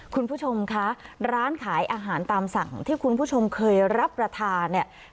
คุณผู้ชมคะร้านขายอาหารตามสั่งที่คุณผู้ชมเคยรับประทานเนี่ย